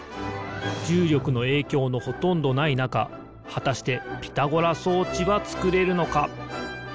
じゅうりょくのえいきょうのほとんどないなかはたしてピタゴラそうちはつくれるのか？